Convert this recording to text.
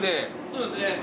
そうですね。